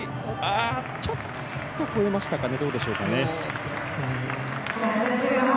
ちょっと越えましたかね。